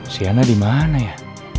sienna dimana ya